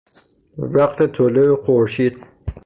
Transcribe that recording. وقت طلوع خورشید